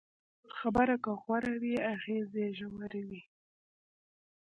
خبره که غوره وي، اغېز یې ژور وي.